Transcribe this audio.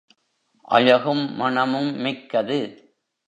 அழகும் மணமும் மிக்கது.